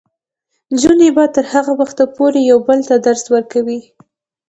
نجونې به تر هغه وخته پورې یو بل ته درس ورکوي.